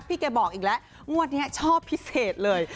แกบอกอีกแล้วงวดนี้ชอบพิเศษเลย